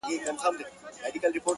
په سپین سر ململ پر سر -